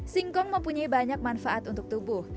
singkong mempunyai banyak manfaat untuk tubuh